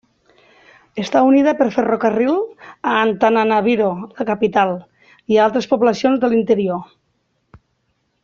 Està unida per ferrocarril a Antananarivo, la capital, i a altres poblacions de l'interior.